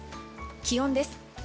気温です。